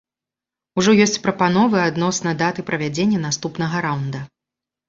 Ужо ёсць прапановы адносна даты правядзення наступнага раунда.